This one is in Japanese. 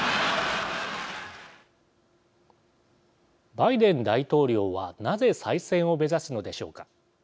バイデン大統領はなぜ再選を目指すのでしょうか。